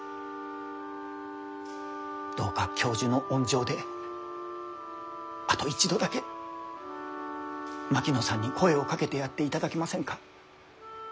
どうか教授の温情であと一度だけ槙野さんに声をかけてやっていただけませんか？